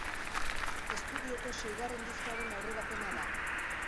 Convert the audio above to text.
Estudioko seigarren diskoaren aurrerapena da.